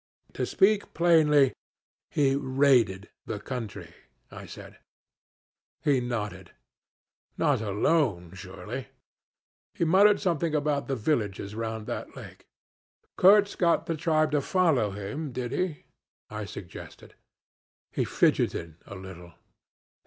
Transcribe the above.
'To speak plainly, he raided the country,' I said. He nodded. 'Not alone, surely!' He muttered something about the villages round that lake. 'Kurtz got the tribe to follow him, did he?' I suggested. He fidgeted a little.